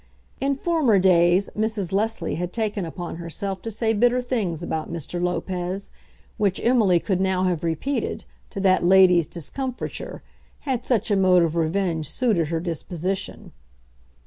In former days Mrs. Leslie had taken upon herself to say bitter things about Mr. Lopez, which Emily could now have repeated, to that lady's discomfiture, had such a mode of revenge suited her disposition.